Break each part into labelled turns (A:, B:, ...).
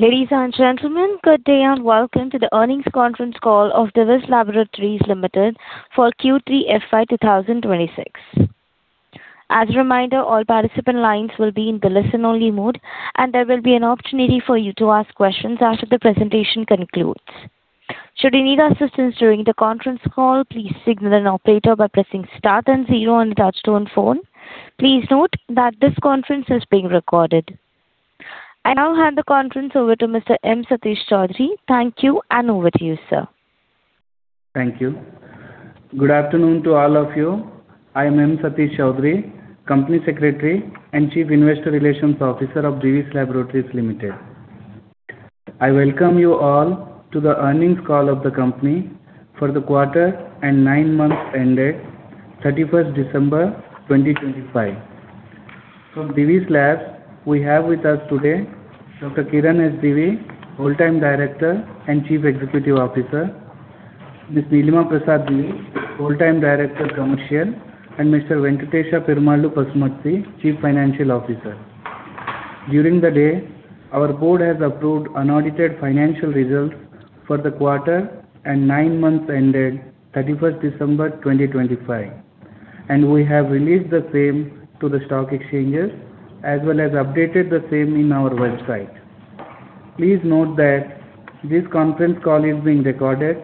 A: Ladies and gentlemen, good day and welcome to the earnings conference call of Divi's Laboratories Limited for Q3 FY 2026. As a reminder, all participant lines will be in the listen-only mode, and there will be an opportunity for you to ask questions after the presentation concludes. Should you need assistance during the conference call, please signal an operator by pressing star and 0 on the touchtone phone. Please note that this conference is being recorded. I now hand the conference over to Mr. M. Satish Choudhury. Thank you, and over to you, sir.
B: Thank you. Good afternoon to all of you. I am M. Satish Choudhury, Company Secretary and Chief Investor Relations Officer of Divi's Laboratories Limited. I welcome you all to the earnings call of the company for the quarter and nine months ended 31st December 2025. From Divi's Labs, we have with us today Dr. Kiran S. Divi, Whole-Time Director and Chief Executive Officer, Ms. Nilima Prasad Divi, Whole-Time Director Commercial, and Mr. Venkatesa Perumallu Pasumarthy, Chief Financial Officer. During the day, our board has approved unaudited financial results for the quarter and nine months ended 31st December 2025, and we have released the same to the stock exchanges as well as updated the same in our website. Please note that this conference call is being recorded,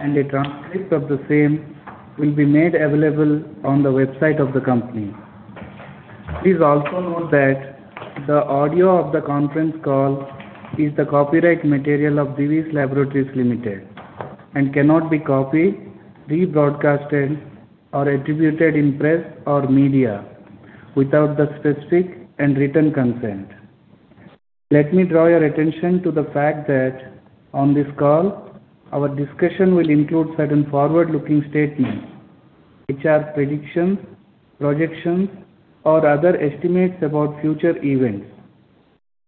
B: and a transcript of the same will be made available on the website of the company. Please also note that the audio of the conference call is the copyright material of Divi's Laboratories Limited and cannot be copied, rebroadcast, or attributed in press or media without the specific and written consent. Let me draw your attention to the fact that on this call, our discussion will include certain forward-looking statements, our predictions, projections, or other estimates about future events.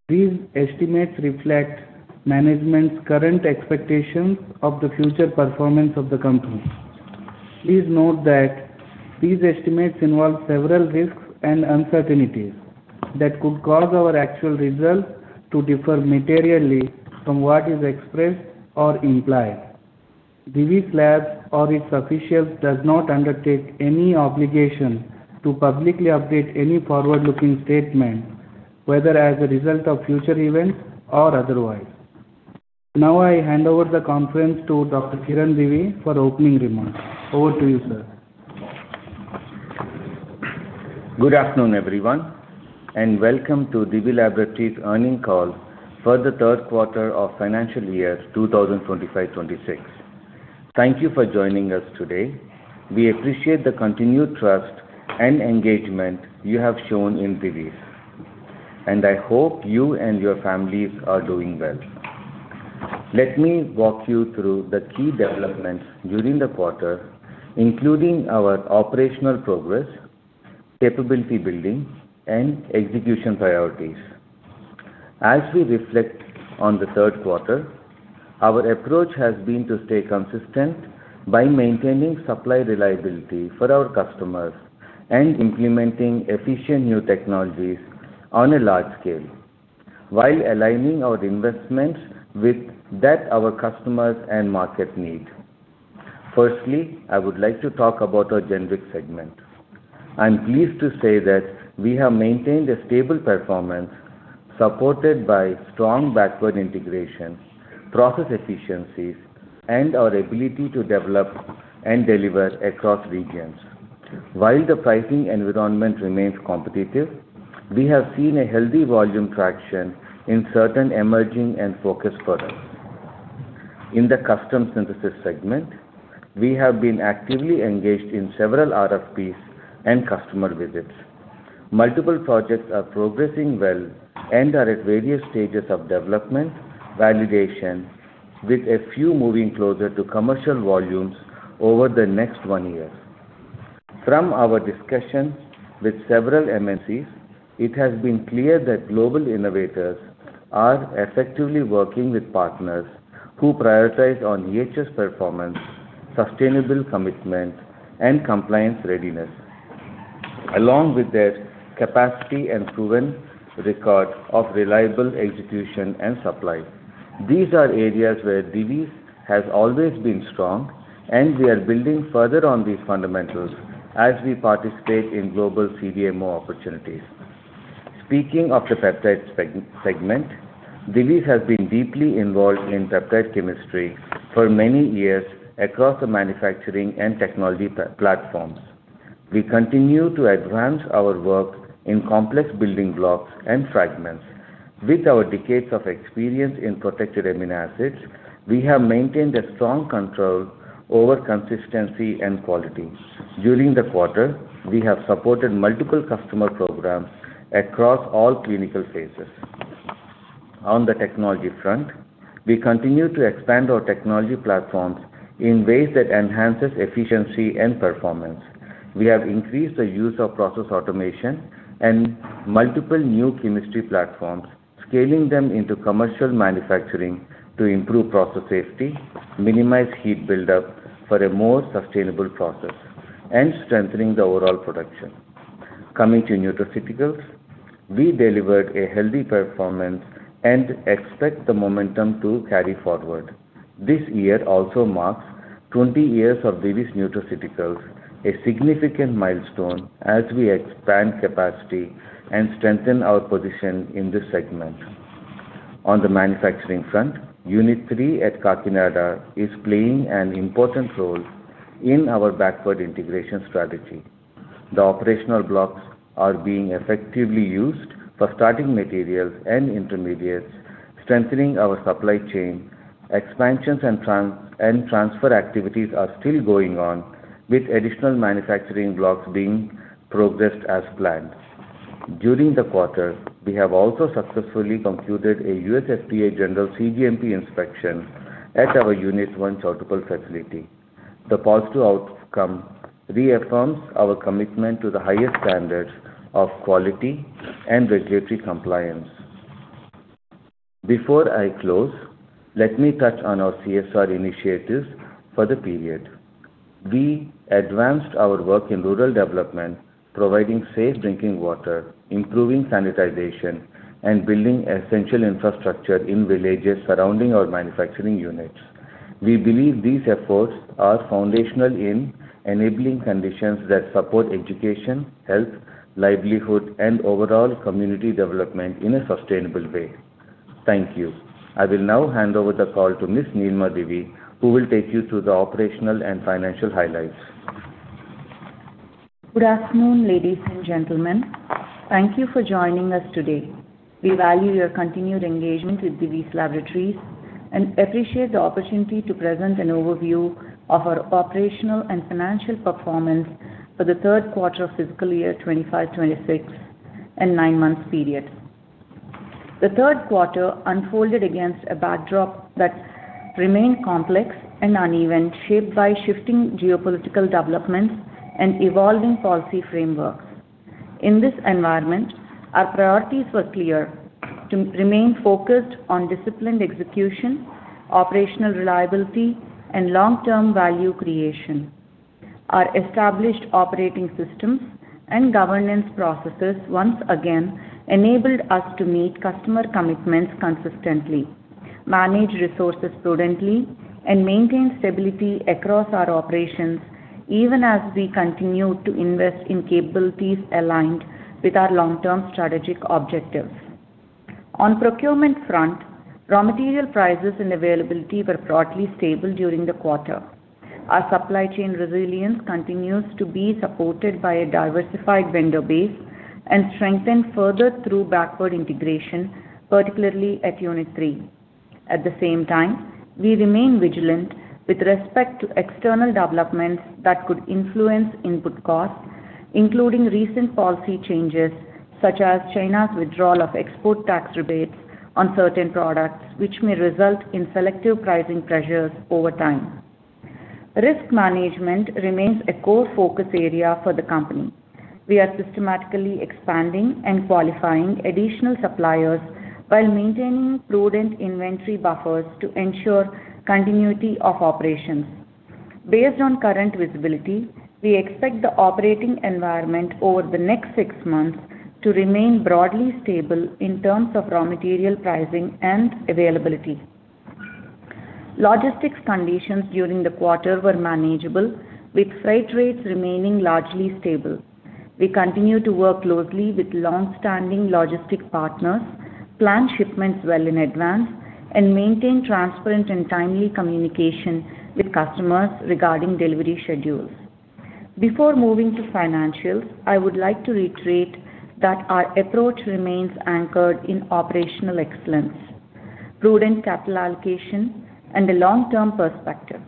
B: These estimates reflect management's current expectations of the future performance of the company. Please note that these estimates involve several risks and uncertainties that could cause our actual results to differ materially from what is expressed or implied. Divi's Labs or its officials do not undertake any obligation to publicly update any forward-looking statement, whether as a result of future events or otherwise. Now I hand over the conference to Dr. Kiran Divi for opening remarks. Over to you, sir.
C: Good afternoon, everyone, and welcome to Divi's Laboratories' earnings call for the third quarter of financial year 2025-26. Thank you for joining us today. We appreciate the continued trust and engagement you have shown in Divi's, and I hope you and your families are doing well. Let me walk you through the key developments during the quarter, including our operational progress, capability building, and execution priorities. As we reflect on the third quarter, our approach has been to stay consistent by maintaining supply reliability for our customers and implementing efficient new technologies on a large scale while aligning our investments with what our customers and market need. Firstly, I would like to talk about our generic segment. I'm pleased to say that we have maintained a stable performance supported by strong backward integration, process efficiencies, and our ability to develop and deliver across regions. While the pricing environment remains competitive, we have seen a healthy volume traction in certain emerging and focused products. In the custom synthesis segment, we have been actively engaged in several RFPs and customer visits. Multiple projects are progressing well and are at various stages of development, validation, with a few moving closer to commercial volumes over the next one year. From our discussion with several MNCs, it has been clear that global innovators are effectively working with partners who prioritize on EHS performance, sustainable commitment, and compliance readiness, along with their capacity and proven record of reliable execution and supply. These are areas where Divi's has always been strong, and we are building further on these fundamentals as we participate in global CDMO opportunities. Speaking of the peptide segment, Divi's has been deeply involved in peptide chemistry for many years across the manufacturing and technology platforms. We continue to advance our work in complex building blocks and fragments. With our decades of experience in protected amino acids, we have maintained a strong control over consistency and quality. During the quarter, we have supported multiple customer programs across all clinical phases. On the technology front, we continue to expand our technology platforms in ways that enhance efficiency and performance. We have increased the use of process automation and multiple new chemistry platforms, scaling them into commercial manufacturing to improve process safety, minimize heat buildup for a more sustainable process, and strengthening the overall production. Coming to nutraceuticals, we delivered a healthy performance and expect the momentum to carry forward. This year also marks 20 years of Divi's Nutraceuticals, a significant milestone as we expand capacity and strengthen our position in this segment. On the manufacturing front, Unit 3 at Kakinada is playing an important role in our backward integration strategy. The operational blocks are being effectively used for starting materials and intermediates, strengthening our supply chain. Expansions and transfer activities are still going on, with additional manufacturing blocks being progressed as planned. During the quarter, we have also successfully concluded a US FDA general CGMP inspection at our Unit 1 Choutuppal facility. The positive outcome reaffirms our commitment to the highest standards of quality and regulatory compliance. Before I close, let me touch on our CSR initiatives for the period. We advanced our work in rural development, providing safe drinking water, improving sanitation, and building essential infrastructure in villages surrounding our manufacturing units. We believe these efforts are foundational in enabling conditions that support education, health, livelihood, and overall community development in a sustainable way. Thank you. I will now hand over the call to Ms. Nilima Divi, who will take you through the operational and financial highlights.
D: Good afternoon, ladies and gentlemen. Thank you for joining us today. We value your continued engagement with Divi's Laboratories and appreciate the opportunity to present an overview of our operational and financial performance for the third quarter of fiscal year 2025-26 and nine months period. The third quarter unfolded against a backdrop that remained complex and uneven, shaped by shifting geopolitical developments and evolving policy frameworks. In this environment, our priorities were clear: to remain focused on disciplined execution, operational reliability, and long-term value creation. Our established operating systems and governance processes once again enabled us to meet customer commitments consistently, manage resources prudently, and maintain stability across our operations even as we continued to invest in capabilities aligned with our long-term strategic objectives. On procurement front, raw material prices and availability were broadly stable during the quarter. Our supply chain resilience continues to be supported by a diversified vendor base and strengthened further through backward integration, particularly at Unit 3. At the same time, we remain vigilant with respect to external developments that could influence input costs, including recent policy changes such as China's withdrawal of export tax rebates on certain products, which may result in selective pricing pressures over time. Risk management remains a core focus area for the company. We are systematically expanding and qualifying additional suppliers while maintaining prudent inventory buffers to ensure continuity of operations. Based on current visibility, we expect the operating environment over the next six months to remain broadly stable in terms of raw material pricing and availability. Logistics conditions during the quarter were manageable, with freight rates remaining largely stable. We continue to work closely with longstanding logistic partners, plan shipments well in advance, and maintain transparent and timely communication with customers regarding delivery schedules. Before moving to financials, I would like to reiterate that our approach remains anchored in operational excellence, prudent capital allocation, and a long-term perspective.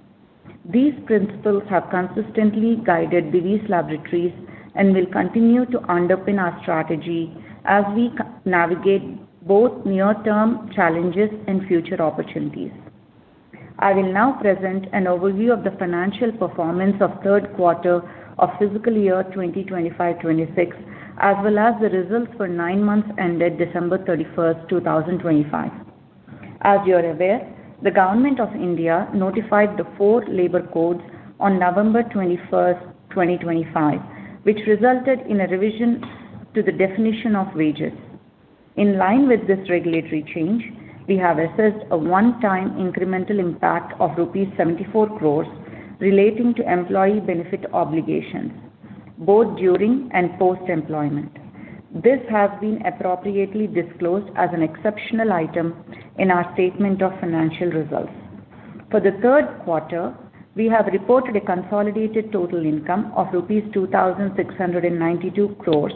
D: These principles have consistently guided Divi's Laboratories and will continue to underpin our strategy as we navigate both near-term challenges and future opportunities. I will now present an overview of the financial performance of third quarter of fiscal year 2025-26 as well as the results for nine months ended December 31st, 2025. As you are aware, the Government of India notified the four Labour Codes on November 21st, 2025, which resulted in a revision to the definition of wages. In line with this regulatory change, we have assessed a one-time incremental impact of rupees 74 crores relating to employee benefit obligations, both during and post-employment. This has been appropriately disclosed as an exceptional item in our statement of financial results. For the third quarter, we have reported a consolidated total income of INR 2,692 crores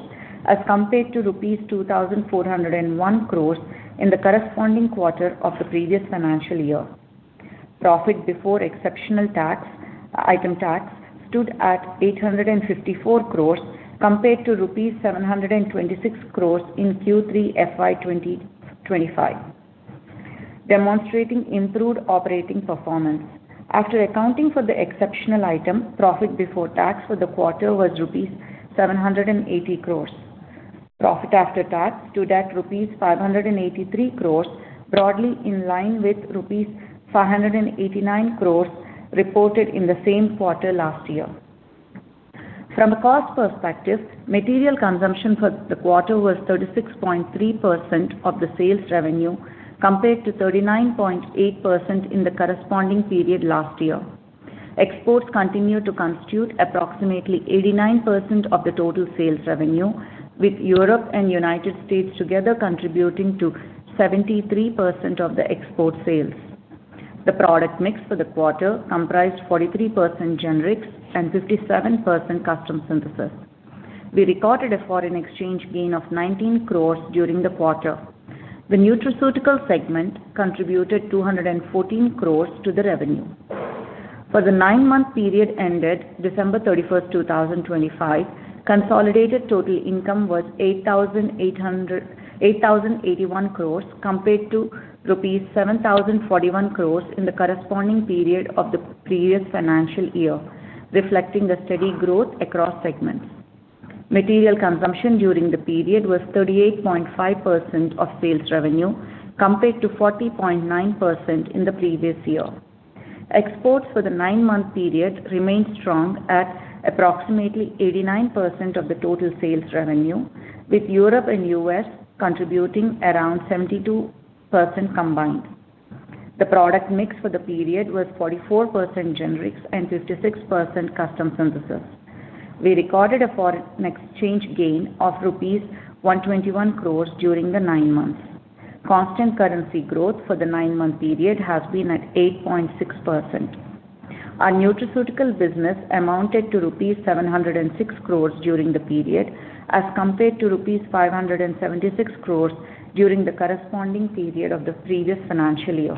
D: as compared to INR 2,401 crores in the corresponding quarter of the previous financial year. Profit before exceptional item tax stood at 854 crores compared to rupees 726 crores in Q3 FY 2024-25, demonstrating improved operating performance. After accounting for the exceptional item, profit before tax for the quarter was rupees 780 crores. Profit after tax stood at rupees 583 crores, broadly in line with rupees 589 crores reported in the same quarter last year. From a cost perspective, material consumption for the quarter was 36.3% of the sales revenue compared to 39.8% in the corresponding period last year. Exports continue to constitute approximately 89% of the total sales revenue, with Europe and United States together contributing to 73% of the export sales. The product mix for the quarter comprised 43% generics and 57% custom synthesis. We recorded a foreign exchange gain of 19 crores during the quarter. The nutraceutical segment contributed 214 crores to the revenue. For the nine-month period ended December 31st, 2025, consolidated total income was 8,081 crores compared to rupees 7,041 crores in the corresponding period of the previous financial year, reflecting the steady growth across segments. Material consumption during the period was 38.5% of sales revenue compared to 40.9% in the previous year. Exports for the nine-month period remained strong at approximately 89% of the total sales revenue, with Europe and US contributing around 72% combined. The product mix for the period was 44% generics and 56% custom synthesis. We recorded a foreign exchange gain of rupees 121 crores during the nine months. Constant currency growth for the nine-month period has been at 8.6%. Our nutraceutical business amounted to rupees 706 crores during the period as compared to rupees 576 crores during the corresponding period of the previous financial year.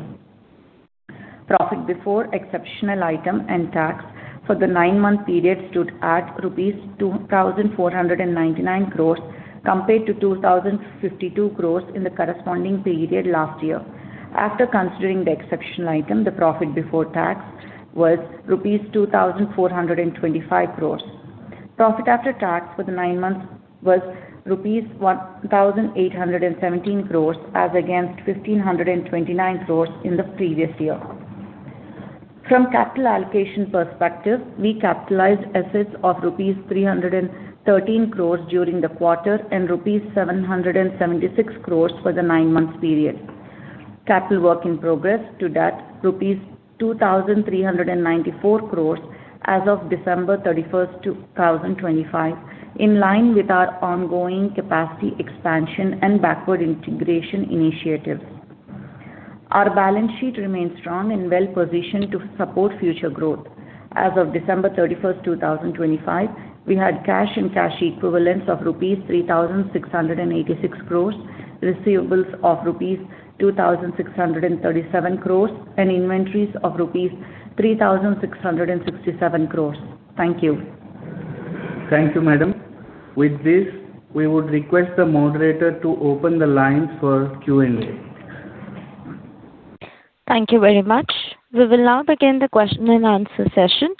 D: Profit before exceptional item and tax for the nine-month period stood at rupees 2,499 crores compared to 2,052 crores in the corresponding period last year. After considering the exceptional item, the profit before tax was rupees 2,425 crores. Profit after tax for the nine months was rupees 1,817 crores as against 1,529 crores in the previous year. From capital allocation perspective, we capitalized assets of rupees 313 crores during the quarter and rupees 776 crores for the nine-month period. Capital work in progress stood at rupees 2,394 crores as of December 31st, 2025, in line with our ongoing capacity expansion and backward integration initiatives. Our balance sheet remained strong and well-positioned to support future growth. As of December 31st, 2025, we had cash and cash equivalents of rupees 3,686 crores, receivables of rupees 2,637 crores, and inventories of rupees 3,667 crores. Thank you.
B: Thank you, Madam. With this, we would request the moderator to open the lines for Q&A.
A: Thank you very much. We will now begin the question and answer session.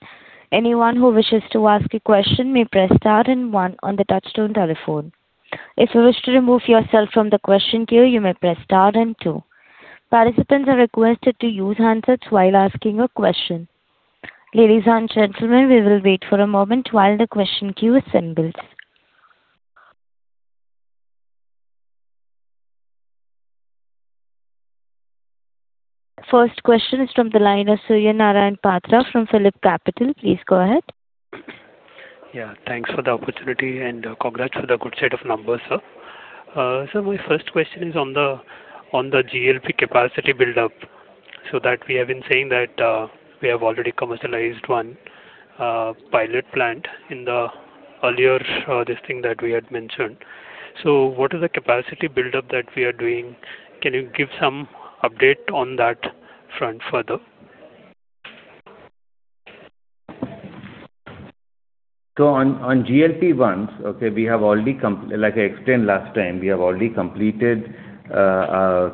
A: Anyone who wishes to ask a question may press star and one on the touch-tone telephone. If you wish to remove yourself from the question queue, you may press star and two. Participants are requested to use handsets while asking a question. Ladies and gentlemen, we will wait for a moment while the question queue assembles. First question is from the line of Surya Narayan Patra from PhillipCapital. Please go ahead.
E: Yeah. Thanks for the opportunity and congrats for the good set of numbers, sir. Sir, my first question is on the GLP-1 capacity buildup. So that we have been saying that we have already commercialized one pilot plant in the earlier this thing that we had mentioned. So what is the capacity buildup that we are doing? Can you give some update on that front further?
C: So on GLP-1s, okay, we have already like I explained last time, we have already completed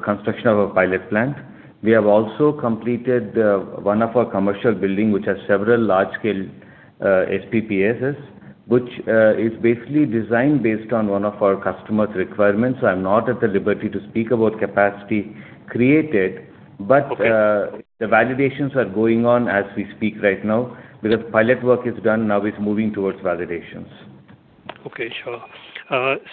C: construction of a pilot plant. We have also completed one of our commercial buildings, which has several large-scale SPPSs, which is basically designed based on one of our customer's requirements. So I'm not at the liberty to speak about capacity created, but the validations are going on as we speak right now because pilot work is done. Now it's moving towards validations.
E: Okay. Sure.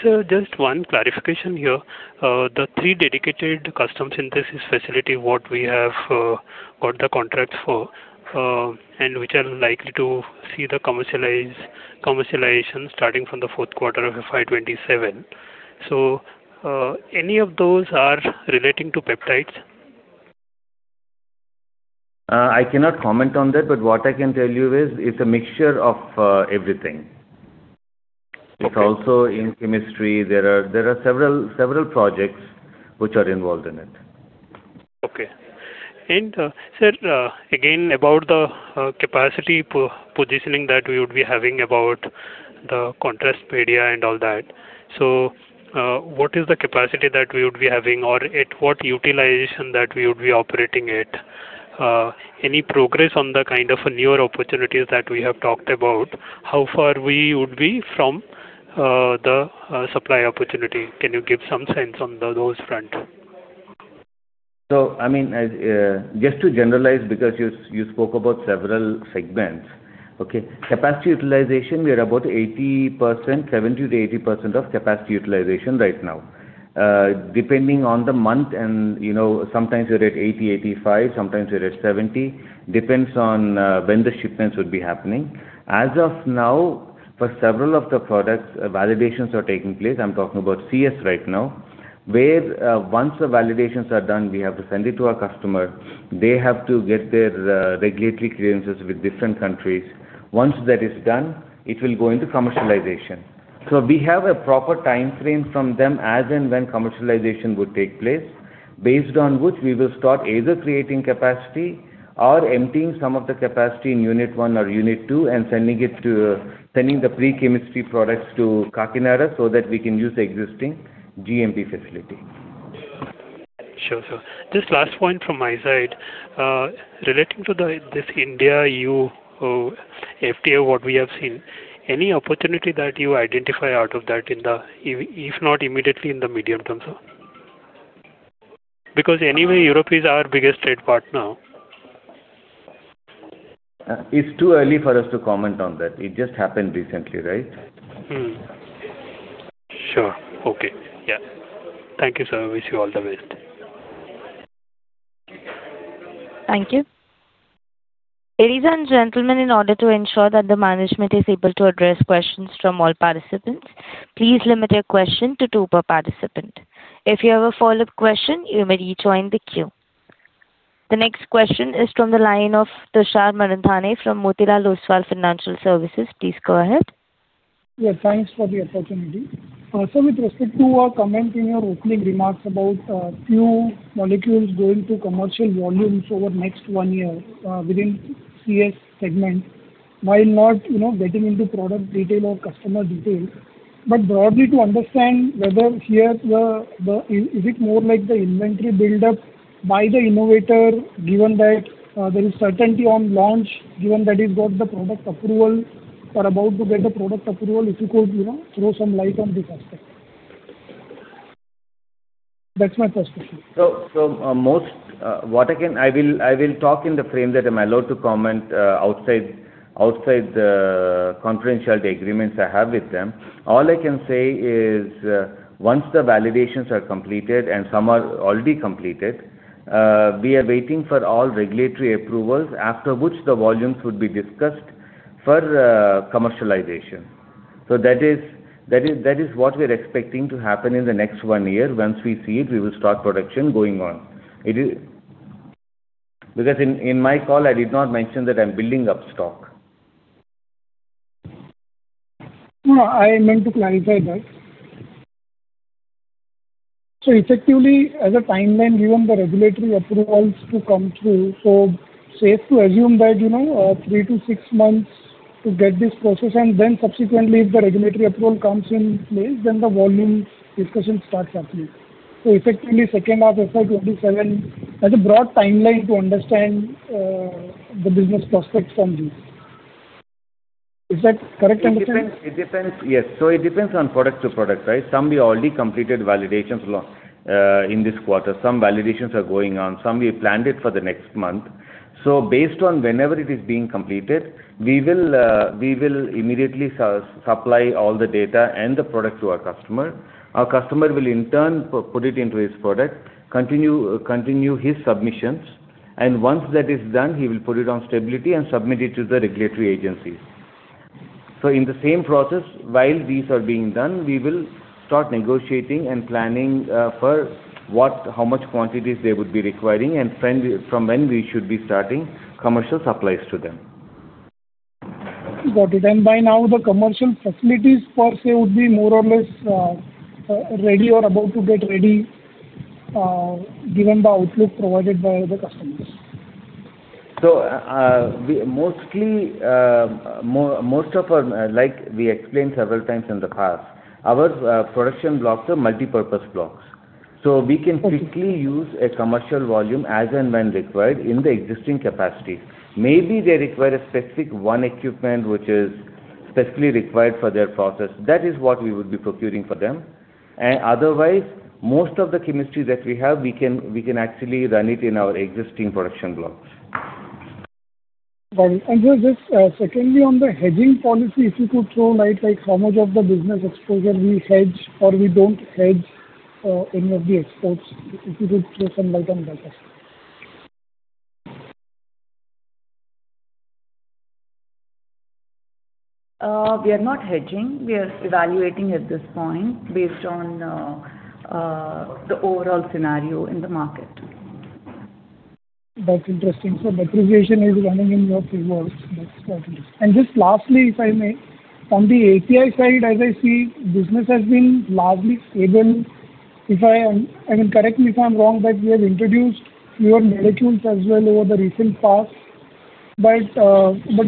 E: Sir, just one clarification here. The three dedicated custom synthesis facilities what we have got the contracts for and which are likely to see the commercialization starting from the fourth quarter of FY27. So any of those are relating to peptides?
C: I cannot comment on that, but what I can tell you is it's a mixture of everything. It's also in chemistry. There are several projects which are involved in it.
E: Okay. And sir, again, about the capacity positioning that we would be having about the contrast media and all that. So what is the capacity that we would be having or at what utilization that we would be operating at? Any progress on the kind of newer opportunities that we have talked about? How far we would be from the supply opportunity? Can you give some sense on those front?
C: So I mean, just to generalize because you spoke about several segments, okay, capacity utilization, we are about 70%-80% of capacity utilization right now. Depending on the month, and sometimes you're at 80%-85%, sometimes you're at 70%, depends on when the shipments would be happening. As of now, for several of the products, validations are taking place. I'm talking about CS right now, where once the validations are done, we have to send it to our customer. They have to get their regulatory clearances with different countries. Once that is done, it will go into commercialization. We have a proper time frame from them as and when commercialization would take place, based on which we will start either creating capacity or emptying some of the capacity in Unit 1 or Unit 2 and sending the pre-chemistry products to Kakinada so that we can use the existing GMP facility.
E: Sure, sir. Just last point from my side. Relating to this India FTA, what we have seen, any opportunity that you identify out of that, if not immediately, in the medium term, sir? Because anyway, Europe is our biggest trade partner.
C: It's too early for us to comment on that. It just happened recently, right?
E: Sure. Okay. Yeah. Thank you, sir. Wish you all the best.
A: Thank you. Ladies and gentlemen, in order to ensure that the management is able to address questions from all participants, please limit your question to two per participant. If you have a follow-up question, you may rejoin the queue. The next question is from the line of Tushar Manudhane from Motilal Oswal Financial Services. Please go ahead.
F: Yeah. Thanks for the opportunity. Sir, with respect to a comment in your opening remarks about few molecules going to commercial volumes over the next one year within CS segment while not getting into product detail or customer detail, but broadly to understand whether here is it more like the inventory buildup by the innovator, given that there is certainty on launch, given that he's got the product approval or about to get the product approval, if you could throw some light on this aspect? That's my first question.
C: So what I can, I will talk in the frame that I'm allowed to comment outside the confidentiality agreements I have with them. All I can say is once the validations are completed and some are already completed, we are waiting for all regulatory approvals, after which the volumes would be discussed for commercialization. So that is what we're expecting to happen in the next one year. Once we see it, we will start production going on. Because in my call, I did not mention that I'm building up stock.
F: No, I meant to clarify that. So effectively, as a timeline given, the regulatory approvals to come through. So safe to assume that 3-6 months to get this process, and then subsequently, if the regulatory approval comes in place, then the volume discussion starts happening. So effectively, second half FY27, as a broad timeline to understand the business prospects from this. Is that correct understanding?
C: Yes. So it depends on product to product, right? Some we already completed validations in this quarter. Some validations are going on. Some we planned it for the next month. So based on whenever it is being completed, we will immediately supply all the data and the product to our customer. Our customer will, in turn, put it into his product, continue his submissions. And once that is done, he will put it on stability and submit it to the regulatory agencies. So in the same process, while these are being done, we will start negotiating and planning for how much quantities they would be requiring and from when we should be starting commercial supplies to them.
F: Got it. By now, the commercial facilities, per se, would be more or less ready or about to get ready, given the outlook provided by the customers?
C: So most of our, like we explained several times in the past, our production blocks are multipurpose blocks. So we can quickly use a commercial volume as and when required in the existing capacity. Maybe they require a specific one equipment which is specifically required for their process. That is what we would be procuring for them. Otherwise, most of the chemistry that we have, we can actually run it in our existing production blocks.
F: Got it. Sir, just secondly, on the hedging policy, if you could throw light like how much of the business exposure we hedge or we don't hedge any of the exports, if you could throw some light on that as well?
D: We are not hedging. We are evaluating at this point based on the overall scenario in the market.
F: That's interesting, sir. Depreciation is running in your favor. That's quite interesting. And just lastly, if I may, on the API side, as I see, business has been largely stable. I mean, correct me if I'm wrong, but we have introduced fewer molecules as well over the recent past. But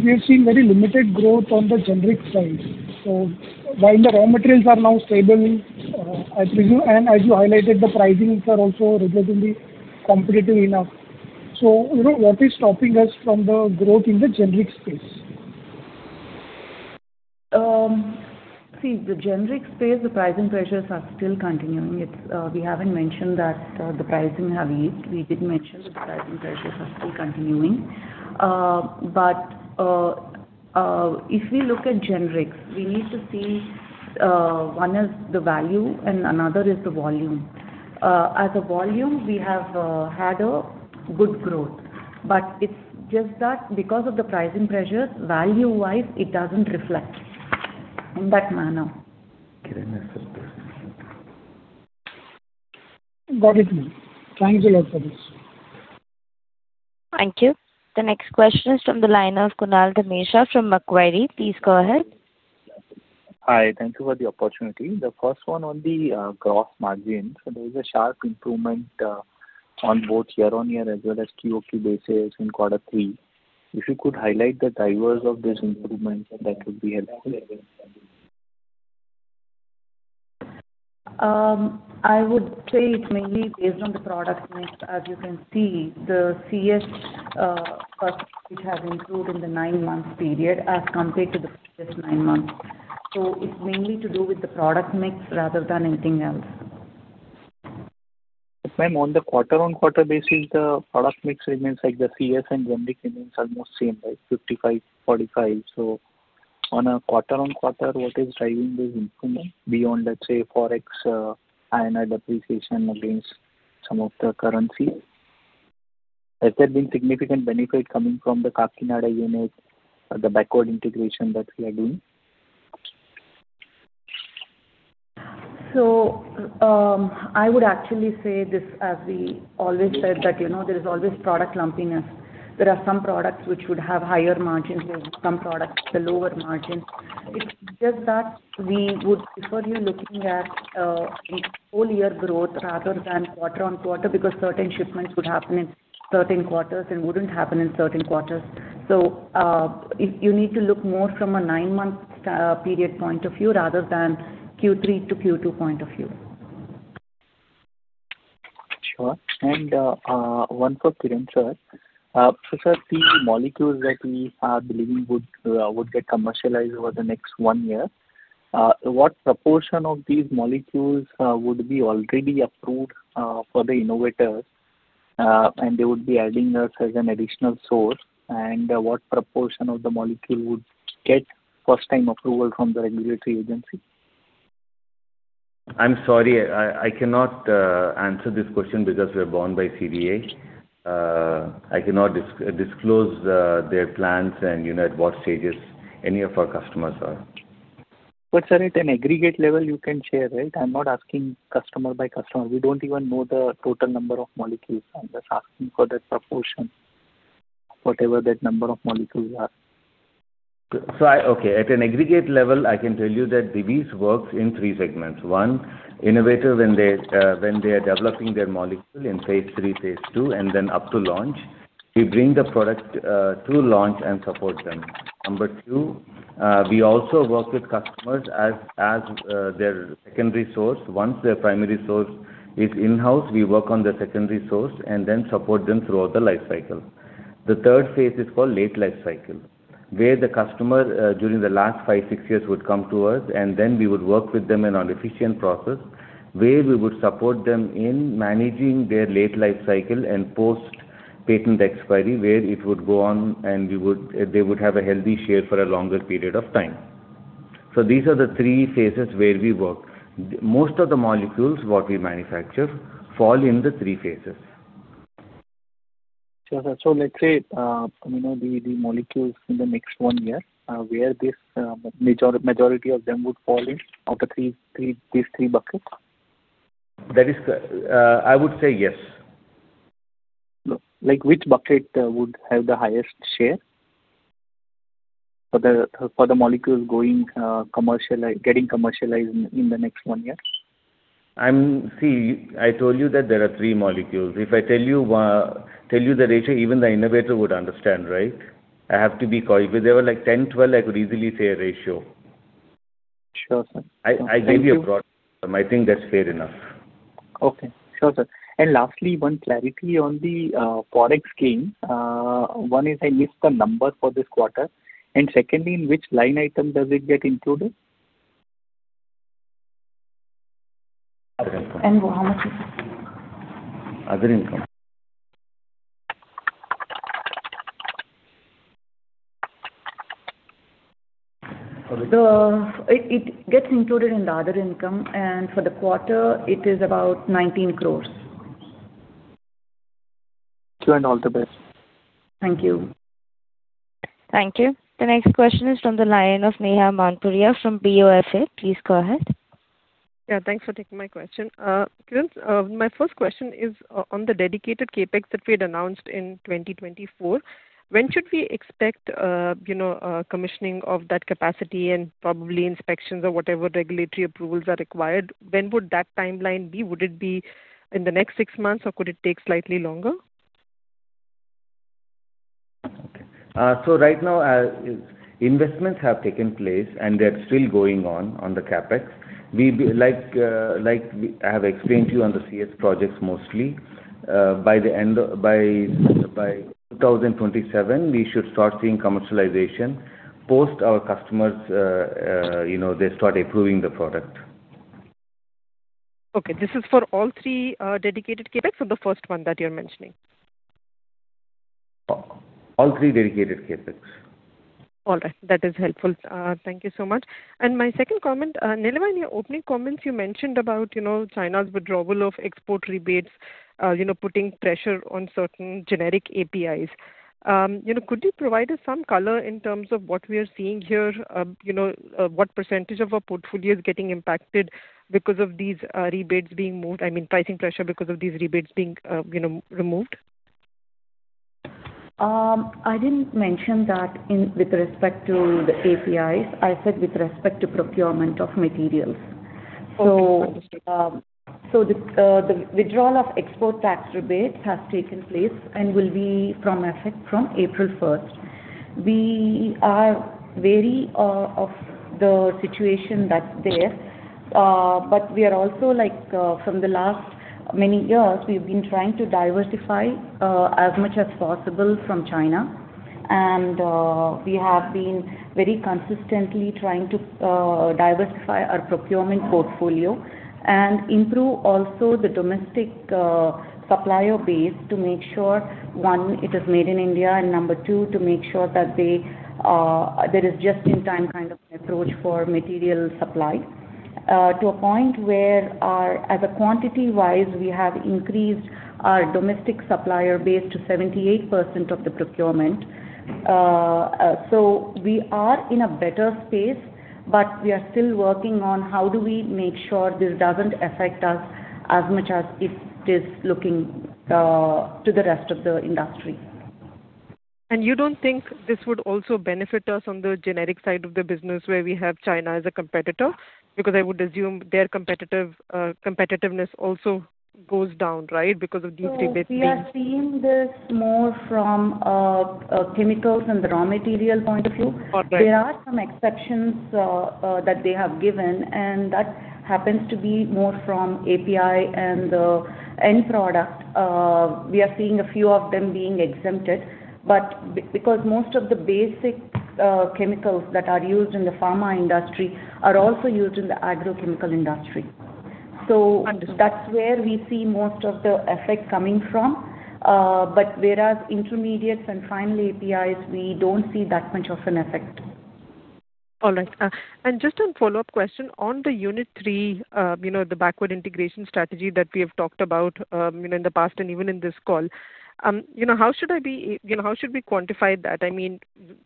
F: we have seen very limited growth on the generic side. So while the raw materials are now stable, I presume, and as you highlighted, the pricings are also relatively competitive enough. So what is stopping us from the growth in the generic space?
D: See, the generic space, the pricing pressures are still continuing. We haven't mentioned that the pricing have eased. We did mention that the pricing pressures are still continuing. But if we look at generics, we need to see one is the value and another is the volume. As a volume, we have had a good growth. But it's just that because of the pricing pressures, value-wise, it doesn't reflect in that manner.
C: Okay. That's a good question.
F: Got it, ma'am. Thanks a lot for this.
A: Thank you. The next question is from the line of Kunal Dhamesha from Macquarie. Please go ahead.
G: Hi. Thank you for the opportunity. The first one on the gross margins. So there is a sharp improvement on both year-over-year as well as quarter-over-quarter basis in quarter three. If you could highlight the drivers of this improvement, that would be helpful.
D: I would say it's mainly based on the product mix. As you can see, the CS has improved in the nine-month period as compared to the previous nine months. So it's mainly to do with the product mix rather than anything else.
G: Yes, ma'am. On the quarter-over-quarter basis, the product mix remains like the CS and generic remains almost same, right? 55-45. So on a quarter-over-quarter, what is driving this improvement beyond, let's say, forex, INR depreciation against some of the currencies? Has there been significant benefit coming from the Kakinada unit, the backward integration that we are doing?
D: I would actually say this, as we always said, that there is always product lumpiness. There are some products which would have higher margins, some products the lower margins. It's just that we would prefer you looking at whole-year growth rather than quarter-on-quarter because certain shipments would happen in certain quarters and wouldn't happen in certain quarters. You need to look more from a nine-month period point of view rather than Q3 to Q2 point of view.
G: Sure. And one for Kiran, sir. So, sir, the molecules that we are believing would get commercialized over the next one year, what proportion of these molecules would be already approved for the innovators, and they would be adding us as an additional source? And what proportion of the molecule would get first-time approval from the regulatory agency?
C: I'm sorry. I cannot answer this question because we are bound by CDA. I cannot disclose their plans and at what stages any of our customers are.
G: But, sir, at an aggregate level, you can share, right? I'm not asking customer by customer. We don't even know the total number of molecules. I'm just asking for that proportion, whatever that number of molecules are.
C: Okay. At an aggregate level, I can tell you that Divi's works in three segments. One, innovator, when they are developing their molecule in phase 3, phase 2, and then up to launch, we bring the product to launch and support them. Number two, we also work with customers as their secondary source. Once their primary source is in-house, we work on the secondary source and then support them throughout the lifecycle. The third phase is called late lifecycle, where the customer during the last 5, 6 years would come to us, and then we would work with them in an efficient process where we would support them in managing their late lifecycle and post-patent expiry, where it would go on and they would have a healthy share for a longer period of time. So these are the three phases where we work. Most of the molecules what we manufacture fall in the three phases.
G: Sure, sir. Let's say the molecules in the next one year, where this majority of them would fall in out of these three buckets?
C: I would say yes.
G: Which bucket would have the highest share for the molecules getting commercialized in the next 1 year?
C: See, I told you that there are three molecules. If I tell you the ratio, even the innovator would understand, right? I have to be coy because there were like 10, 12, I could easily say a ratio.
G: Sure, sir.
C: I gave you a broad answer, sir. I think that's fair enough.
G: Okay. Sure, sir. And lastly, one clarity on the forex gain. One is I missed the number for this quarter. And secondly, in which line item does it get included?
D: Other income.
G: How much is it?
C: Other income.
D: So it gets included in the other income. And for the quarter, it is about 19 crore.
G: Kiran, all the best.
D: Thank you.
A: Thank you. The next question is from the line of Neha Manpuria from BofA. Please go ahead.
H: Yeah. Thanks for taking my question. Kiran, my first question is on the dedicated CapEx that we had announced in 2024. When should we expect commissioning of that capacity and probably inspections or whatever regulatory approvals are required? When would that timeline be? Would it be in the next six months, or could it take slightly longer?
C: So right now, investments have taken place, and they're still going on the CapEx. I have explained to you on the CS projects mostly. By 2027, we should start seeing commercialization post our customers they start approving the product.
H: Okay. This is for all three dedicated CapEx or the first one that you're mentioning?
C: All three dedicated Capex.
H: All right. That is helpful. Thank you so much. My second comment, Nilima, in your opening comments, you mentioned about China's withdrawal of export rebates, putting pressure on certain generic APIs. Could you provide us some color in terms of what we are seeing here, what percentage of our portfolio is getting impacted because of these rebates being moved, I mean, pricing pressure because of these rebates being removed?
D: I didn't mention that with respect to the APIs. I said with respect to procurement of materials. So the withdrawal of export tax rebates has taken place and will be from April 1st. We are wary of the situation that's there. But we are also from the last many years, we've been trying to diversify as much as possible from China. And we have been very consistently trying to diversify our procurement portfolio and improve also the domestic supplier base to make sure, one, it is made in India, and number two, to make sure that there is just-in-time kind of an approach for material supply to a point where, as a quantity-wise, we have increased our domestic supplier base to 78% of the procurement. So we are in a better space, but we are still working on how do we make sure this doesn't affect us as much as it is looking to the rest of the industry.
H: You don't think this would also benefit us on the generic side of the business where we have China as a competitor because I would assume their competitiveness also goes down, right, because of these rebates being?
D: We are seeing this more from a chemicals and the raw material point of view. There are some exceptions that they have given, and that happens to be more from API and the end product. We are seeing a few of them being exempted because most of the basic chemicals that are used in the pharma industry are also used in the agrochemical industry. So that's where we see most of the effect coming from. But whereas intermediates and final APIs, we don't see that much of an effect.
H: All right. Just a follow-up question on Unit 3, the backward integration strategy that we have talked about in the past and even in this call. How should we quantify that? I mean,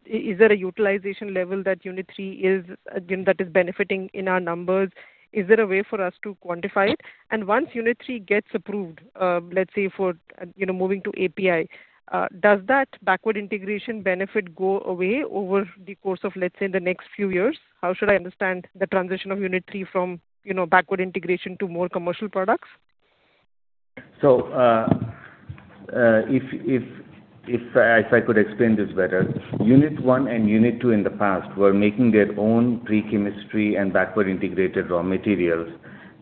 H: is there a utilization level that Unit 3 is benefiting in our numbers? Is there a way for us to quantify it? And once Unit 3 gets approved, let's say, for moving to API, does that backward integration benefit go away over the course of, let's say, the next few years? How should I understand the transition of Unit 3 from backward integration to more commercial products?
C: So if I could explain this better, Unit 1 and Unit 2 in the past were making their own pre-chemistry and backward-integrated raw materials.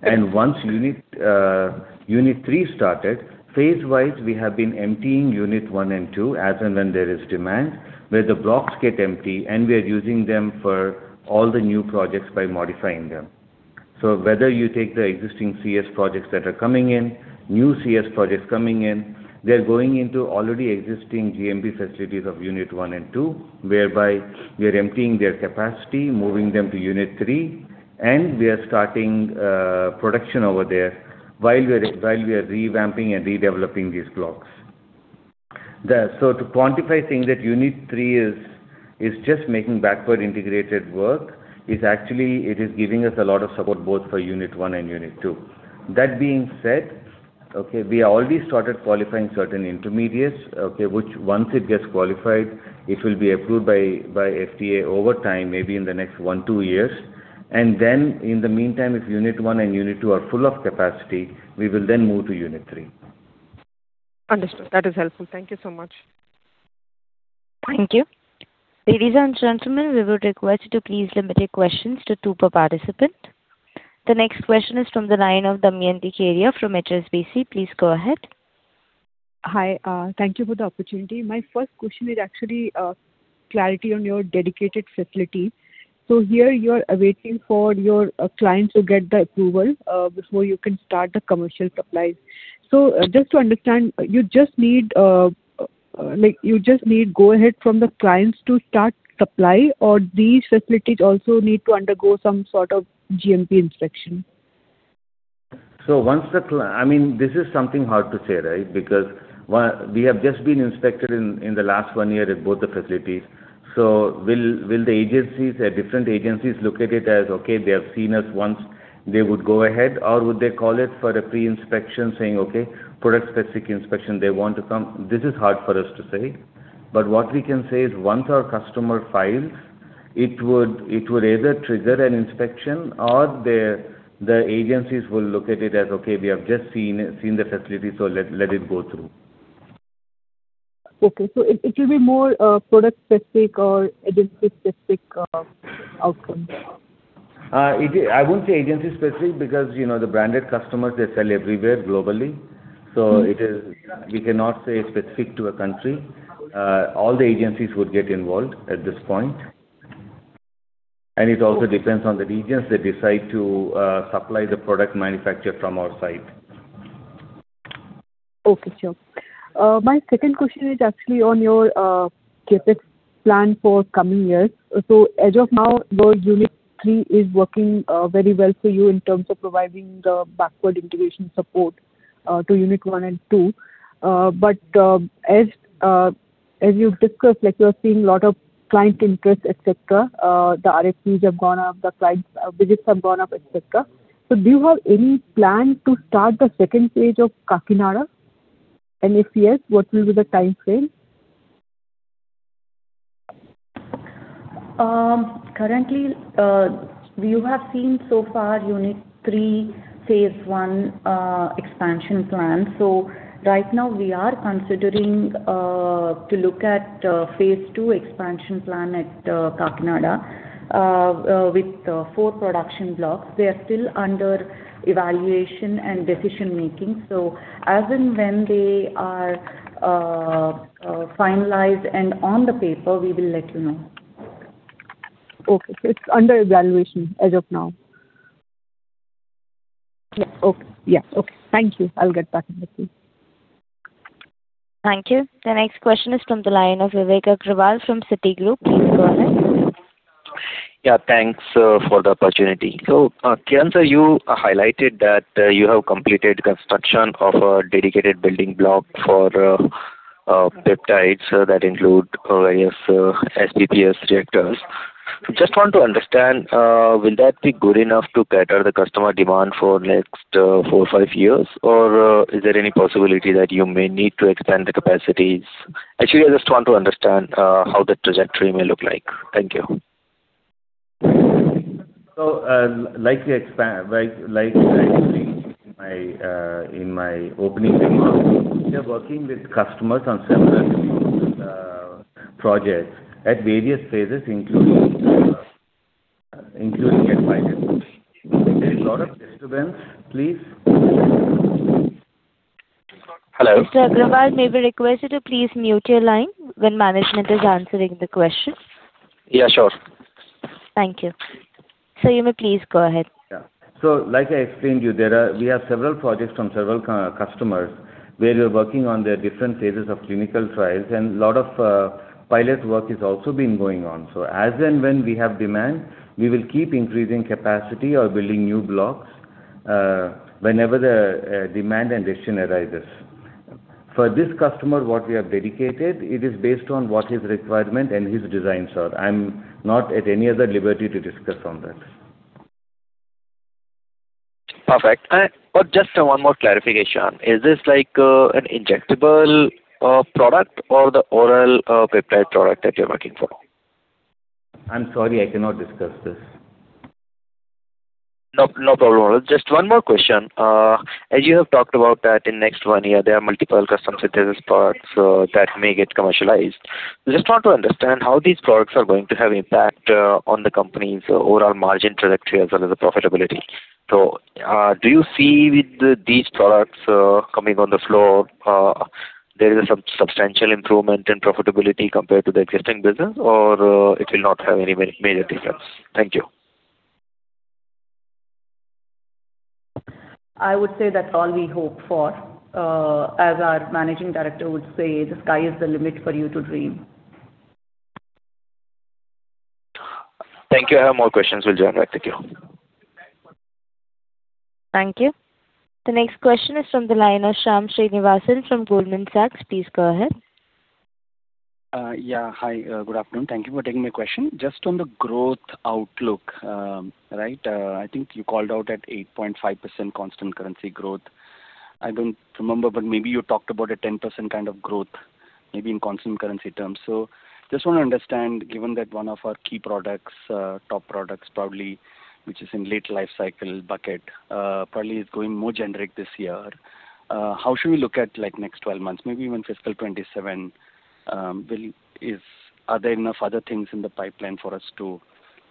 C: And once Unit 3 started, phase-wise, we have been emptying Unit 1 and Unit 2 as and when there is demand, where the blocks get empty, and we are using them for all the new projects by modifying them. So whether you take the existing CS projects that are coming in, new CS projects coming in, they're going into already existing cGMP facilities of Unit 1 and Unit 2, whereby we are emptying their capacity, moving them to Unit 3, and we are starting production over there while we are revamping and redeveloping these blocks. So to quantify saying that Unit 3 is just making backward-integrated work, actually, it is giving us a lot of support both for Unit 1 and Unit 2. That being said, okay, we have already started qualifying certain intermediates, okay, which once it gets qualified, it will be approved by FDA over time, maybe in the next 1-2 years. And then in the meantime, if Unit 1 and Unit 2 are full of capacity, we will then move to Unit 3.
H: Understood. That is helpful. Thank you so much.
A: Thank you. Ladies and gentlemen, we would request you to please limit your questions to two per participant. The next question is from the line of Damayanti Kerai from HSBC. Please go ahead.
I: Hi. Thank you for the opportunity. My first question is actually clarity on your dedicated facility. So here, you are awaiting for your clients to get the approval before you can start the commercial supplies. So just to understand, you just need go ahead from the clients to start supply, or these facilities also need to undergo some sort of GMP inspection?
C: So once—I mean, this is something hard to say, right, because we have just been inspected in the last one year at both the facilities. So will the agencies, different agencies, look at it as, "Okay, they have seen us once. They would go ahead," or would they call it for a pre-inspection saying, "Okay, product-specific inspection. They want to come"? This is hard for us to say. But what we can say is once our customer files, it would either trigger an inspection or the agencies will look at it as, "Okay, we have just seen the facility, so let it go through.
I: Okay. So it will be more product-specific or agency-specific outcome?
C: I won't say agency-specific because the branded customers, they sell everywhere globally. We cannot say specific to a country. All the agencies would get involved at this point. It also depends on the regions that decide to supply the product manufactured from our site.
I: Okay. Sure. My second question is actually on your CapEx plan for coming years. So as of now, your Unit 3 is working very well for you in terms of providing the backward integration support to Unit 1 and 2. But as you've discussed, you are seeing a lot of client interest, etc. The RFPs have gone up. The client visits have gone up, etc. So do you have any plan to start the second stage of Kakinada? And if yes, what will be the timeframe?
D: Currently, we have seen so far Unit 3 phase one expansion plan. So right now, we are considering to look at phase two expansion plan at Kakinada with 4 production blocks. They are still under evaluation and decision-making. So as and when they are finalized and on the paper, we will let you know.
I: Okay. It's under evaluation as of now?
D: Yeah.
I: Okay. Yeah. Okay. Thank you. I'll get back in with you.
A: Thank you. The next question is from the line of Vivek Agarwal from Citi. Please go ahead.
J: Yeah. Thanks for the opportunity. So Kiran, sir, you highlighted that you have completed construction of a dedicated building block for peptides that include various SPPS reactors. Just want to understand, will that be good enough to cater the customer demand for next 4-5 years, or is there any possibility that you may need to expand the capacities? Actually, I just want to understand how the trajectory may look like. Thank you.
C: Like I mentioned in my opening remarks, we are working with customers on several projects at various phases, including at Phase I. If there is a lot of disturbance, please.
J: Hello?
A: Mr. Agarwal, may we request you to please mute your line when management is answering the question?
J: Yeah. Sure.
A: Thank you. So you may please go ahead.
C: Yeah. So like I explained to you, we have several projects from several customers where we are working on their different phases of clinical trials, and a lot of pilot work has also been going on. So as and when we have demand, we will keep increasing capacity or building new blocks whenever the demand and question arises. For this customer, what we have dedicated, it is based on what his requirement and his designs are. I'm not at any other liberty to discuss on that.
J: Perfect. Just one more clarification. Is this an injectable product or the oral peptide product that you're working for?
C: I'm sorry. I cannot discuss this.
J: No problem. Just one more question. As you have talked about that, in next one year, there are multiple custom synthesis parts that may get commercialized. Just want to understand how these products are going to have impact on the company's overall margin trajectory as well as the profitability. So do you see with these products coming on the floor, there is some substantial improvement in profitability compared to the existing business, or it will not have any major difference? Thank you.
D: I would say that's all we hope for. As our Managing Director would say, "The sky is the limit for you to dream.
J: Thank you. I have more questions. We'll join back. Thank you.
A: Thank you. The next question is from the line of Shyam Srinivasan from Goldman Sachs. Please go ahead.
K: Yeah. Hi. Good afternoon. Thank you for taking my question. Just on the growth outlook, right? I think you called out 8.5% constant currency growth. I don't remember, but maybe you talked about a 10% kind of growth, maybe in constant currency terms. So, just want to understand, given that one of our key products, top products, probably, which is in late lifecycle bucket, probably is going more generic this year, how should we look at next 12 months? Maybe even fiscal 2027, are there enough other things in the pipeline for us to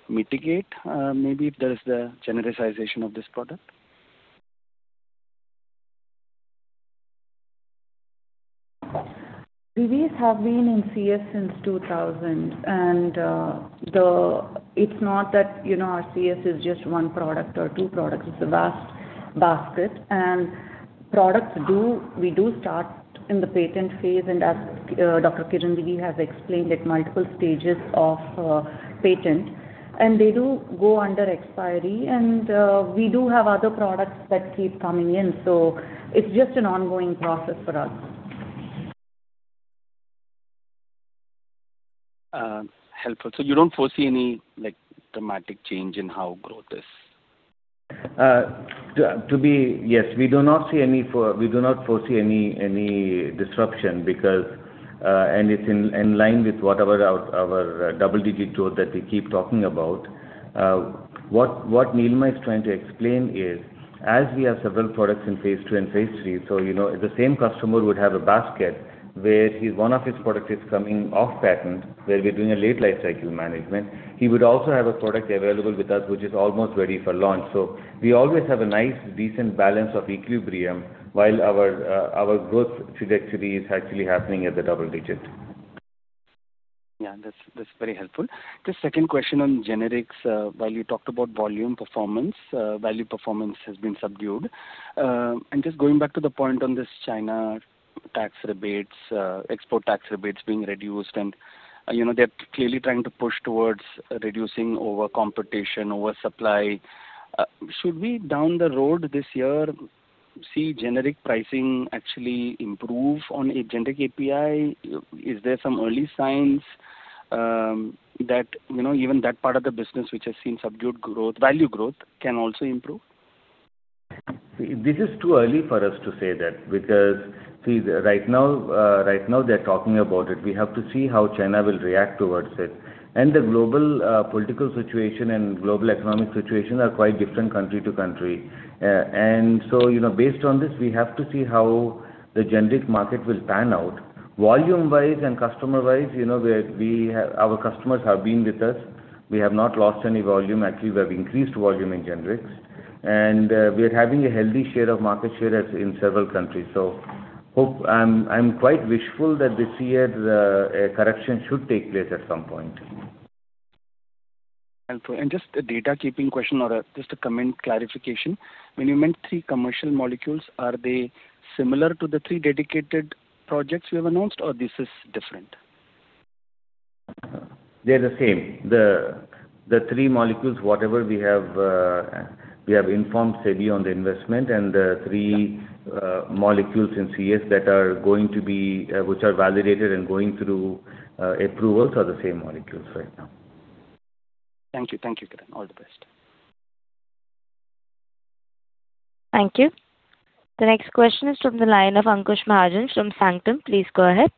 K: mitigate maybe if there is the genericization of this product?
D: Divi's has been in CS since 2000. It's not that our CS is just one product or two products. It's a vast basket. Products, we do start in the patent phase. As Dr. Kiran Divi has explained, at multiple stages of patent, and they do go under expiry. We do have other products that keep coming in. So it's just an ongoing process for us.
K: Helpful. So you don't foresee any dramatic change in how growth is?
C: Yes. We do not see any; we do not foresee any disruption because, and it's in line with whatever our double-digit growth that we keep talking about. What Nilima is trying to explain is, as we have several products in phase two and phase three, so the same customer would have a basket where one of his products is coming off-patent, where we're doing a late lifecycle management. He would also have a product available with us which is almost ready for launch. So we always have a nice, decent balance of equilibrium while our growth trajectory is actually happening at the double-digit.
K: Yeah. That's very helpful. Just second question on generics. While you talked about volume performance, value performance has been subdued. And just going back to the point on this China tax rebates, export tax rebates being reduced, and they're clearly trying to push towards reducing over-competition, over-supply, should we down the road this year see generic pricing actually improve on a generic API? Is there some early signs that even that part of the business which has seen subdued value growth can also improve?
C: See, this is too early for us to say that because, see, right now, they're talking about it. We have to see how China will react towards it. The global political situation and global economic situation are quite different country to country. So based on this, we have to see how the generic market will pan out. Volume-wise and customer-wise, our customers have been with us. We have not lost any volume. Actually, we have increased volume in generics. We are having a healthy share of market share in several countries. So I'm quite wishful that this year, a correction should take place at some point.
K: Helpful. Just a data-keeping question or just a comment clarification. When you meant three commercial molecules, are they similar to the three dedicated projects we have announced, or this is different?
C: They're the same. The three molecules, whatever, we have informed SEBI on the investment. The three molecules in CS that are going to be which are validated and going through approvals are the same molecules right now.
K: Thank you. Thank you, Kiran. All the best.
A: Thank you. The next question is from the line of Ankush Mahajan from Sanctum. Please go ahead.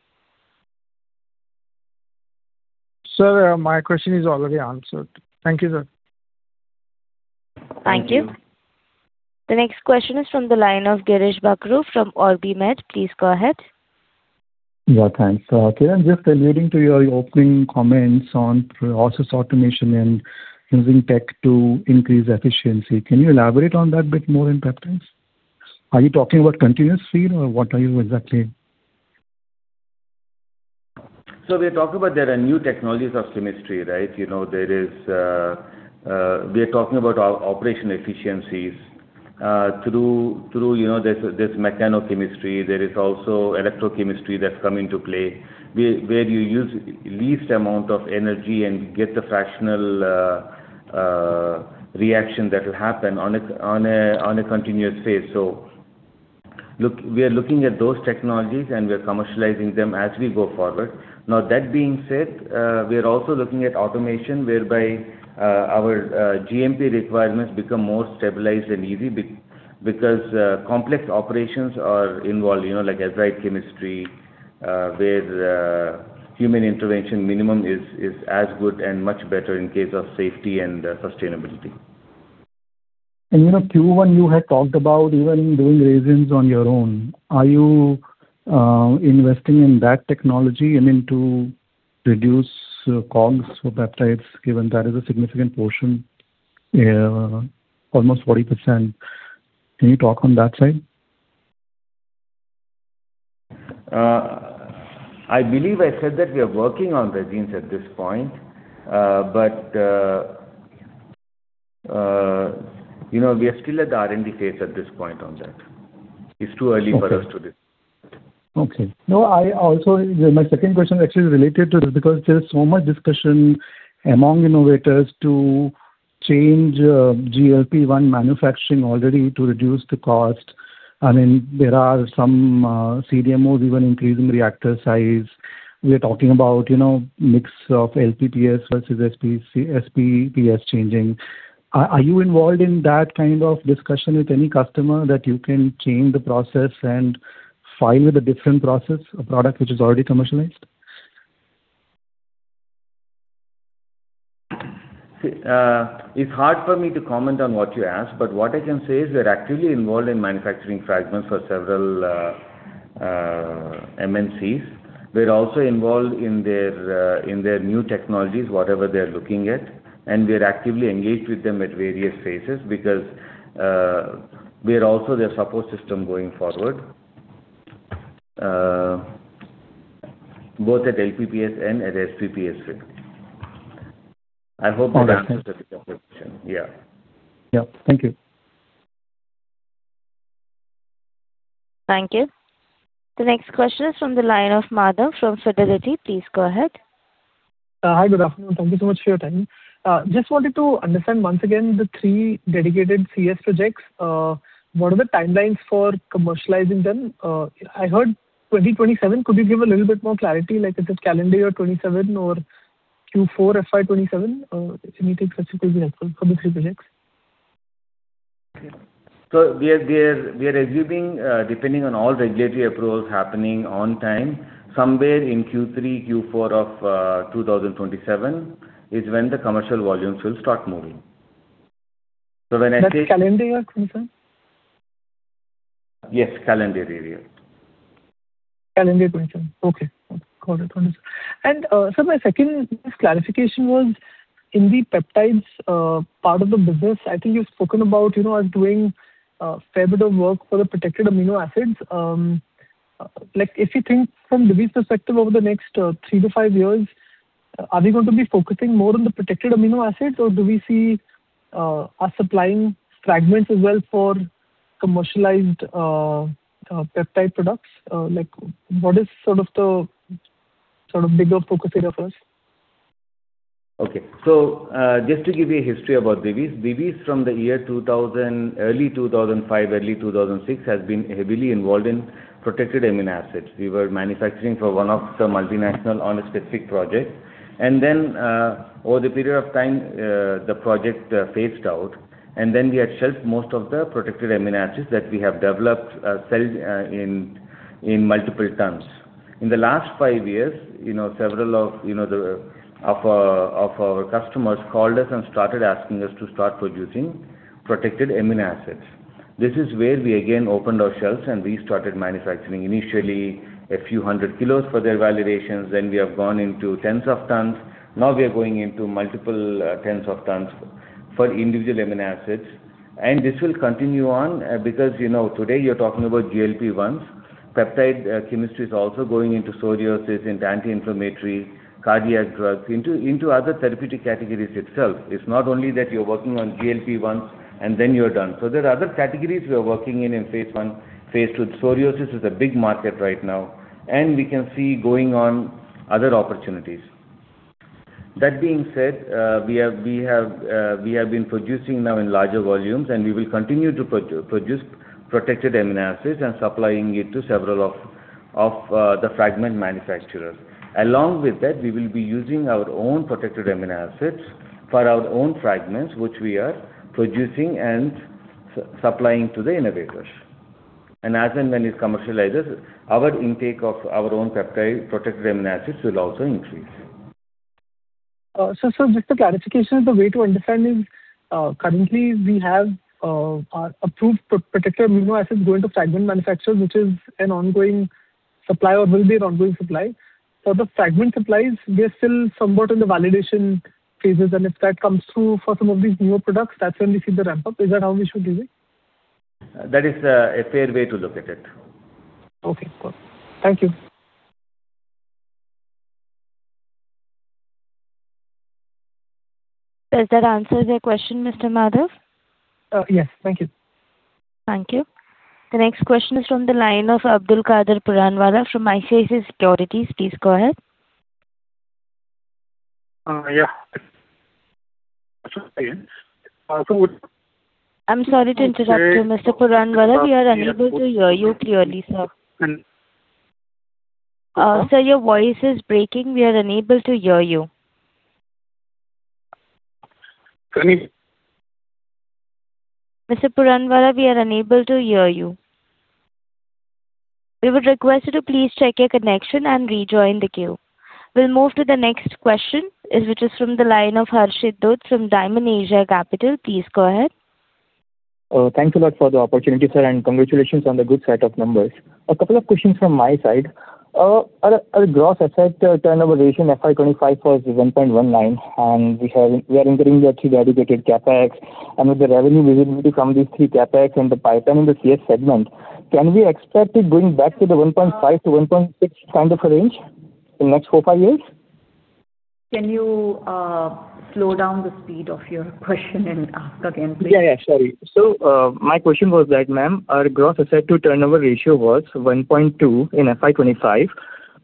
L: Sir, my question is already answered. Thank you, sir.
A: Thank you. The next question is from the line of Girish Bakhru from OrbiMed. Please go ahead.
M: Yeah. Thanks. Kiran, just alluding to your opening comments on process automation and using tech to increase efficiency, can you elaborate on that bit more in peptides? Are you talking about continuous feed, or what are you exactly?
C: So we are talking about there are new technologies of chemistry, right? There, we are talking about operational efficiencies through this mechanochemistry. There is also electrochemistry that's come into play where you use least amount of energy and get the fractional reaction that will happen on a continuous phase. So we are looking at those technologies, and we are commercializing them as we go forward. Now, that being said, we are also looking at automation whereby our GMP requirements become more stabilized and easy because complex operations are involved, like acid chemistry where human intervention minimum is as good and much better in case of safety and sustainability.
M: Q1, you had talked about even doing resins on your own. Are you investing in that technology and into reduce COGS for peptides given that is a significant portion, almost 40%? Can you talk on that side?
C: I believe I said that we are working on resins at this point, but we are still at the R&D phase at this point on that. It's too early for us to discuss.
M: Okay. No, also, my second question actually is related to this because there is so much discussion among innovators to change GLP-1 manufacturing already to reduce the cost. I mean, there are some CDMOs even increasing reactor size. We are talking about mix of LPPS versus SPPS changing. Are you involved in that kind of discussion with any customer that you can change the process and file with a different process, a product which is already commercialized?
C: See, it's hard for me to comment on what you asked, but what I can say is we're actively involved in manufacturing fragments for several MNCs. We're also involved in their new technologies, whatever they're looking at. And we are actively engaged with them at various phases because we are also their support system going forward, both at LPPS and at SPPS phase. I hope that answers the bigger question. Yeah.
M: Yeah. Thank you.
A: Thank you. The next question is from the line of Madhav Marda from Fidelity. Please go ahead.
N: Hi. Good afternoon. Thank you so much for your time. Just wanted to understand once again the three dedicated CS projects. What are the timelines for commercializing them? I heard 2027. Could you give a little bit more clarity? Is it calendar year 2027 or Q4 FY 2027? Anything such could be helpful for the three projects.
C: So we are reviewing, depending on all regulatory approvals happening on time, somewhere in Q3-Q4 of 2027 is when the commercial volumes will start moving. So when I say.
N: That's calendar year, Kiran, sir?
C: Yes. Calendar year.
N: Calendar year, Kiran, sir. Okay. Got it. Understood. Sir, my second clarification was, in the peptides part of the business, I think you've spoken about us doing a fair bit of work for the protected amino acids. If you think from Divi's perspective over the next three to five years, are we going to be focusing more on the protected amino acids, or do we see us supplying fragments as well for commercialized peptide products? What is sort of the bigger focus area for us?
C: Okay. So just to give you a history about Divi's, Divi's from the early 2005, early 2006 has been heavily involved in protected amino acids. We were manufacturing for one of the multinational on a specific project. And then over the period of time, the project phased out. And then we had shelved most of the protected amino acids that we have developed in multiple tons. In the last five years, several of our customers called us and started asking us to start producing protected amino acids. This is where we again opened our shelves, and we started manufacturing initially a few hundred kilos for their validations. Then we have gone into tens of tons. Now, we are going into multiple tens of tons for individual amino acids. And this will continue on because today, you're talking about GLP-1s. Peptide chemistry is also going into psoriasis, into anti-inflammatory, cardiac drugs, into other therapeutic categories itself. It's not only that you're working on GLP-1s, and then you're done. So there are other categories we are working in in phase one, phase two. Psoriasis is a big market right now, and we can see going on other opportunities. That being said, we have been producing now in larger volumes, and we will continue to produce protected amino acids and supplying it to several of the fragment manufacturers. Along with that, we will be using our own protected amino acids for our own fragments which we are producing and supplying to the innovators. And as and when it commercializes, our intake of our own protected amino acids will also increase.
N: Just a clarification, the way to understand is, currently, we have approved protected amino acids going to fragment manufacturers, which is an ongoing supply or will be an ongoing supply. For the fragment supplies, we are still somewhat in the validation phases. If that comes through for some of these newer products, that's when we see the ramp-up. Is that how we should view it?
C: That is a fair way to look at it.
N: Okay. Good. Thank you.
A: Does that answer the question, Mr. Madhav?
N: Yes. Thank you.
A: Thank you. The next question is from the line of Abdulkader Puranwala from ICICI Securities. Please go ahead.
O: Yeah.
A: I'm sorry to interrupt you, Mr. Puranwala. We are unable to hear you clearly, sir. Sir, your voice is breaking. We are unable to hear you.
O: Can you?
A: Mr. Puranwala, we are unable to hear you. We would request you to please check your connection and rejoin the queue. We'll move to the next question, which is from the line of Harshit Dhoot from Dymon Asia Capital. Please go ahead.
P: Thanks a lot for the opportunity, sir, and congratulations on the good set of numbers. A couple of questions from my side. Our gross asset turnover ratio in FY 2025 was 1.19, and we are entering the 3 dedicated CapEx. And with the revenue visibility from these 3 CapEx and the pipeline in the CS segment, can we expect it going back to the 1.5-1.6 kind of a range in the next 4, 5 years?
D: Can you slow down the speed of your question and ask again, please?
P: Yeah. Yeah. Sorry. So my question was that, ma'am, our gross asset to turnover ratio was 1.2 in FY 2025.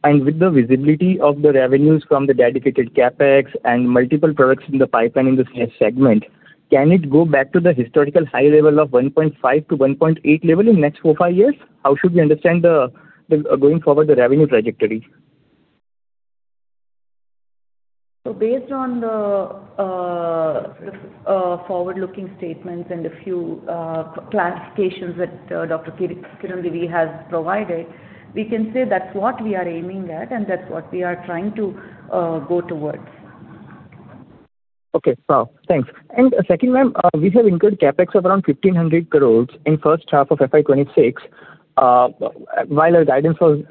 P: And with the visibility of the revenues from the dedicated CapEx and multiple products in the pipeline in the CS segment, can it go back to the historical high level of 1.5-1.8 level in the next 4, 5 years? How should we understand, going forward, the revenue trajectory?
D: So based on the forward-looking statements and a few clarifications that Dr. Kiran Divi has provided, we can say that's what we are aiming at, and that's what we are trying to go towards.
P: Okay. Wow. Thanks. And second, ma'am, we have incurred Capex of around 1,500 crores in the first half of FY 2026 while our guidance was to do Capex of INR 2,000 crores in FY 2026. So what is the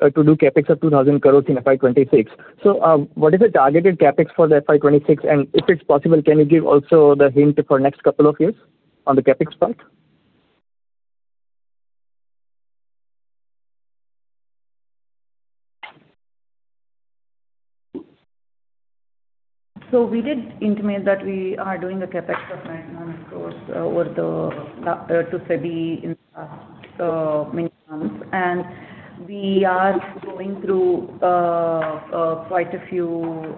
P: targeted Capex for the FY 2026? And if it's possible, can you give also the hint for the next couple of years on the Capex part?
D: We did intimate that we are doing a CapEx of INR 9,000 crore to SEBI in the last many months. We are going through quite a few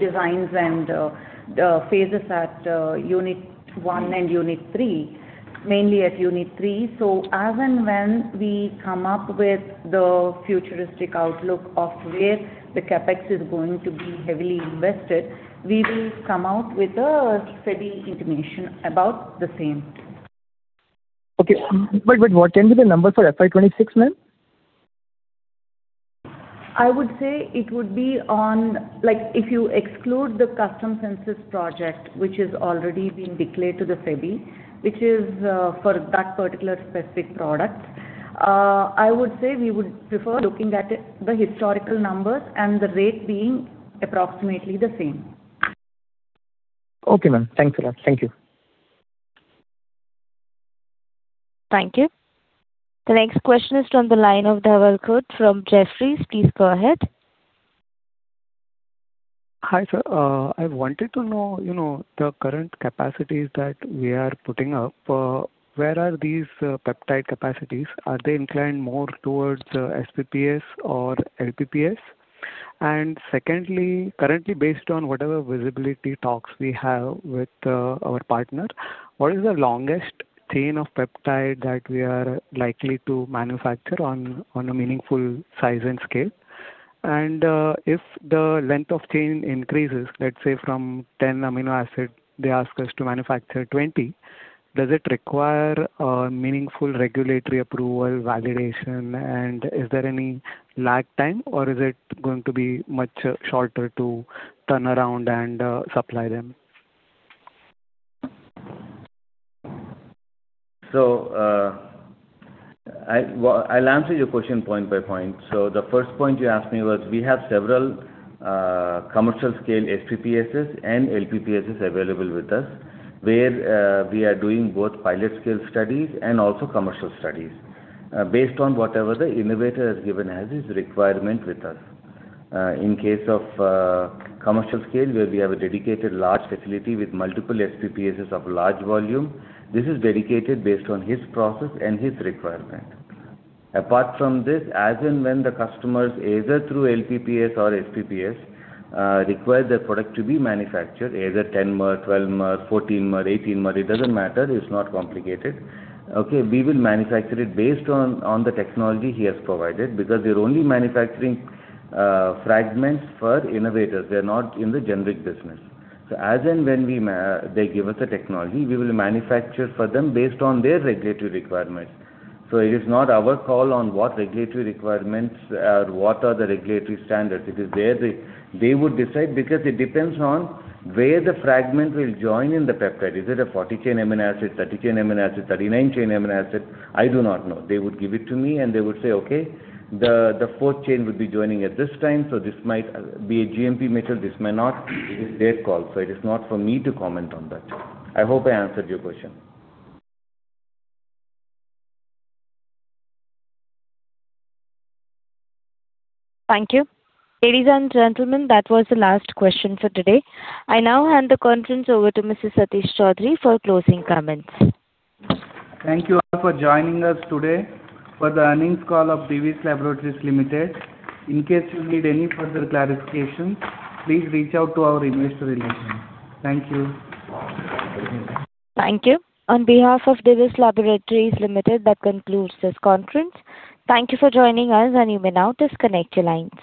D: designs and phases at Unit 1 and Unit 3, mainly at Unit 3. As and when we come up with the futuristic outlook of where the CapEx is going to be heavily invested, we will come out with a SEBI intimation about the same.
P: Okay. Wait. Wait. What can be the number for FY 2026, ma'am?
D: I would say it would be on, if you exclude the custom synthesis project, which has already been declared to the SEBI, which is for that particular specific product. I would say we would prefer looking at the historical numbers and the rate being approximately the same.
P: Okay, ma'am. Thanks a lot. Thank you.
A: Thank you. The next question is from the line of Dhaval Khut from Jefferies. Please go ahead.
Q: Hi, sir. I wanted to know the current capacities that we are putting up. Where are these peptide capacities? Are they inclined more towards SPPS or LPPS? And secondly, currently, based on whatever visibility talks we have with our partner, what is the longest chain of peptide that we are likely to manufacture on a meaningful size and scale? And if the length of chain increases, let's say from 10 amino acids, they ask us to manufacture 20, does it require meaningful regulatory approval, validation? And is there any lag time, or is it going to be much shorter to turn around and supply them?
C: So I'll answer your question point by point. So the first point you asked me was we have several commercial-scale SPPSs and LPPSs available with us where we are doing both pilot-scale studies and also commercial studies based on whatever the innovator has given as his requirement with us. In case of commercial scale, where we have a dedicated large facility with multiple SPPSs of large volume, this is dedicated based on his process and his requirement. Apart from this, as and when the customers either through LPPS or SPPS require their product to be manufactured, either 10-mer, 12-mer, 14-mer, 18-mer, it doesn't matter. Okay? We will manufacture it based on the technology he has provided because we're only manufacturing fragments for innovators. They're not in the generic business. So as and when they give us the technology, we will manufacture for them based on their regulatory requirements. So it is not our call on what regulatory requirements or what are the regulatory standards. It is where they would decide because it depends on where the fragment will join in the peptide. Is it a 40-chain amino acid, 30-chain amino acid, 39-chain amino acid? I do not know. They would give it to me, and they would say, "Okay. The fourth chain would be joining at this time. So this might be a GMP material. This might not." It is their call. So it is not for me to comment on that. I hope I answered your question.
A: Thank you. Ladies and gentlemen, that was the last question for today. I now hand the conference over to Mr. M. Satish Choudhury for closing comments.
B: Thank you all for joining us today for the earnings call of Divi's Laboratories Limited. In case you need any further clarifications, please reach out to our investor relations. Thank you.
A: Thank you. On behalf of Divi's Laboratories Limited, that concludes this conference. Thank you for joining us, and you may now disconnect your lines.